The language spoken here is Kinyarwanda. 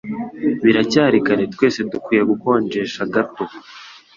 Biracyari kare Twese dukwiye gukonjesha gato (minshirui)